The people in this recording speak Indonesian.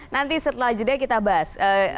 nanti setelah jeda kita bahas